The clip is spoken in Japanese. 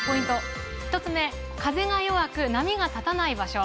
１つ目風が弱く波が立たない場所